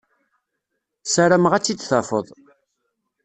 Sarameɣ ad tt-id-tafeḍ.